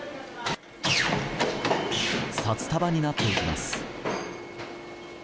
札束になっていきます。